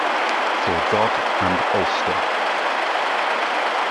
For God and Ulster.